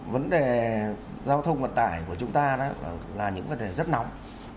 vấn đề giao thông vận tải của chúng ta là những vấn đề rất nóng